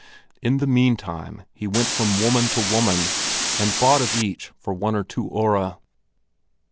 In the meantime he went from woman to woman, and bought of each for one or two öre.